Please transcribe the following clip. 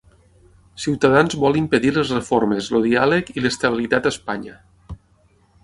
Ciutadans vol impedir les reformes, el diàleg i l'estabilitat a Espanya.